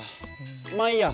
まあいいや。